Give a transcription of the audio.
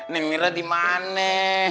neng mira dimana